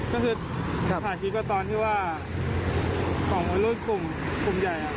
ก็คือถ่ายคิดกันตอนที่ว่าของอัลรุณกลุ่มใหญ่